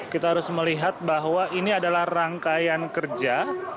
kita harus melihat bahwa ini adalah rangkaian kerja